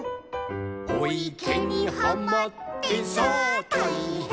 「おいけにはまってさあたいへん」